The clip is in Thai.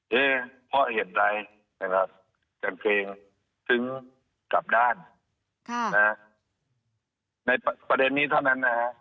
เฮ้พอเหตุใดนะครับกันเพลงถึงกลับด้านค่ะนะฮะในประเด็นนี้เท่านั้นนะฮะ